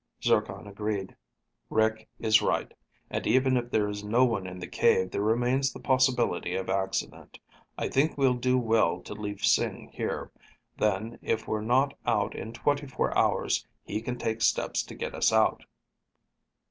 Zircon agreed. "Rick is right. And even if there is no one in the cave, there remains the possibility of accident. I think we'll do well to leave Sing here. Then, if we're not out in twenty four hours, he can take steps to get us out."